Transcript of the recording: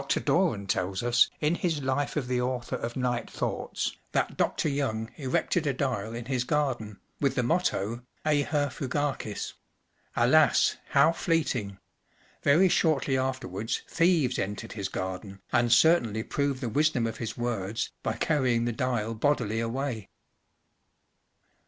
612 Dr. Doran tells us in his Life of the author of “Night Thoughts,*’ that Dr. Young erected a dial in his garden, with the motto, “ Eheu fugaces ! ’’ (Alas, how fleeting !}; very shortly afterwards thieves entered his garden, and certainly proved the wisdom of his words by carrying the dial bodily away.